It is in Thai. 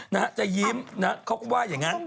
นะฮะจะยิ้มนะเขาก็ว่าอย่างนั้น